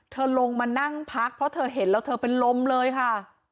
เธอลงมานั่งพักเพราะเธอเห็นแล้วเธอเป็นลมเลยค่ะ